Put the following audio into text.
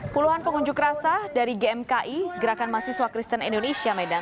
puluhan pengunjuk rasa dari gmki gerakan mahasiswa kristen indonesia medan